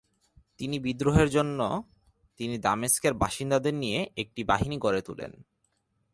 তিনি বিদ্রোহের জন্য তিনি দামেস্কের বাসিন্দাদের নিয়ে একটি বাহিনী গড়ে তোলেন।